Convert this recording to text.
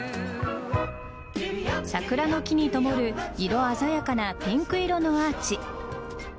桜の木に灯る色鮮やかなピンク色のアーチ。